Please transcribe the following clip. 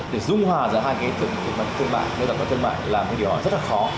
để dung hòa ra hai cái tương mại nơi là có tương mại là một điều rất là khó